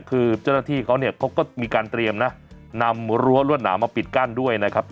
คือเจ้าหน้าที่เขาเนี่ยเขาก็มีการเตรียมนะนำรั้วรวดหนามาปิดกั้นด้วยนะครับ